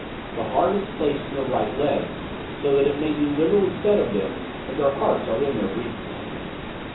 The heart is placed in the right leg; so that it may be literally said of them, that their hearts are in their breeches.